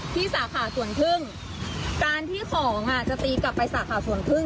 สาขาสวนพึ่งการที่ของอ่ะจะตีกลับไปสาขาสวนพึ่ง